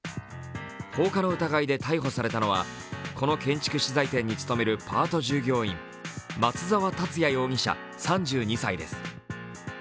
放火の疑いで逮捕されたのは、この建築資材店に務めるパート従業員、松沢達也容疑者、３２歳です。